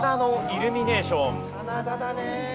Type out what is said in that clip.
棚田だね。